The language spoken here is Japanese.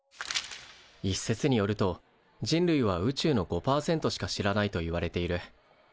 一説によると人類は宇宙の５％しか知らないといわれている。